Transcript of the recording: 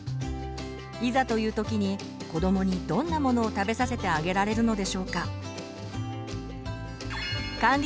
いざという時に子どもにどんなものを食べさせてあげられるのでしょうか？